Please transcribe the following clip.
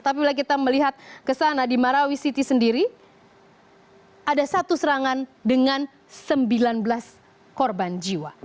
tapi bila kita melihat kesana di marawi city sendiri ada satu serangan dengan sembilan belas korban jiwa